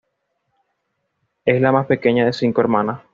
Es la más pequeña de cinco hermanas.